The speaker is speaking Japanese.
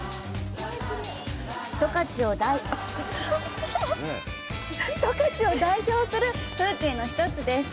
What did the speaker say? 十勝を代表する風景の一つです。